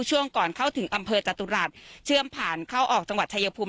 ช่วงก่อนเข้าถึงอำเภอจตุรัสเชื่อมผ่านเข้าออกจังหวัดชายภูมิ